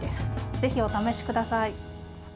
ぜひ、お試しください。